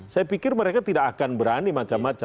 saya pikir mereka tidak akan berani macam macam